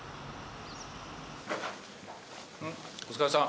お疲れさん。